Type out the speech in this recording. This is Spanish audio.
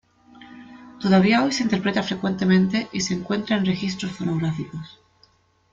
Todavía hoy se interpreta frecuentemente y se encuentra en registros fonográficos.